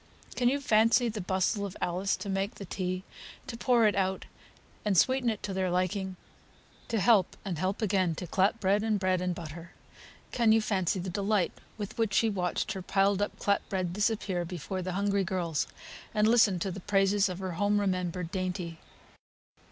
Can you fancy the bustle of Alice to make the tea, to pour it out, and sweeten it to their liking, to help and help again to clap bread and bread and butter? Can you fancy the delight with which she watched her piled up clap bread disappear before the hungry girls, and listened to the praises of her home remembered dainty?